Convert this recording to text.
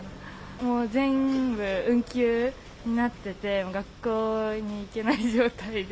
もう全部運休になってて、学校に行けない状態で。